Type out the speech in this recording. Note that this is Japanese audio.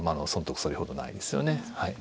それほどないですよね。